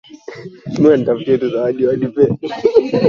Twendeni mjini kesho.